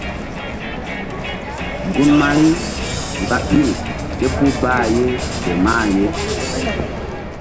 Gun Mari mgba ɓil ké puh bqh ye ke mah ye.